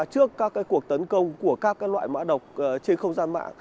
trước các cái cuộc tấn công của các cái loại mã độc trên không gian mạng